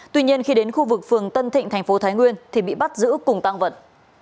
tuy nhiên khi đến khu vực phường tân thịnh thành phố thái nguyên thì bị bắt giữ cùng tăng vật